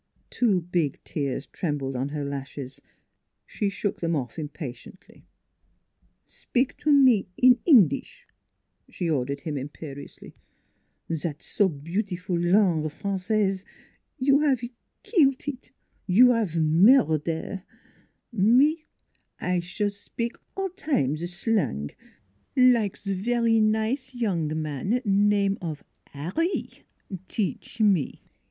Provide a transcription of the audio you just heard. Two big tears trembled on her lashes; she shook them off impatiently. " Spik to me in Englis'," she ordered him im periously. " Zat so beautiful langue Franqaise you 'ave keel eet you 'ave murdaire. Me I s'all spik all times sl ang, like vary nize young man, name of Har ri, teach me.